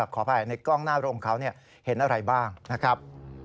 ขออภัยในกล้องหน้าโรงเขาเห็นอะไรบ้างนะครับ